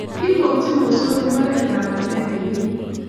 Koibokchi mosonik mbaret ab pandek eng' keiyo